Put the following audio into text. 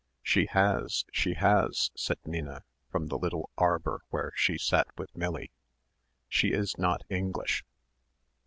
"She has, she has," said Minna from the little arbour where she sat with Millie. "She is not English."